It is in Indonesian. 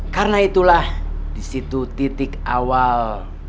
karena itulah disitu titik awal